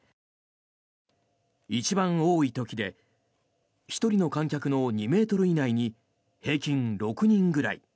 一番多い時で１人の観客の２ｍ以内に平均６人ぐらい。